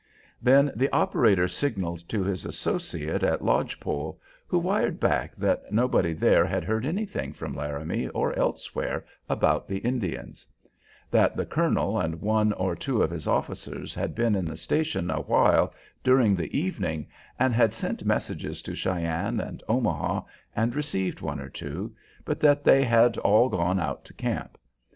Then the operator signalled to his associate at Lodge Pole, who wired back that nobody there had heard anything from Laramie or elsewhere about the Indians; that the colonel and one or two of his officers had been in the station a while during the evening and had sent messages to Cheyenne and Omaha and received one or two, but that they had all gone out to camp.